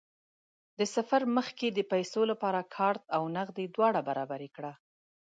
د سفر مخکې د پیسو لپاره کارت او نغدې دواړه برابرې کړه.